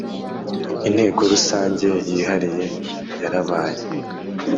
Inteko Rusange yihariye yarabaye.